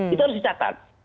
itu harus dicatat